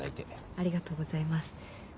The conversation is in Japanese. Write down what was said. ありがとうございます。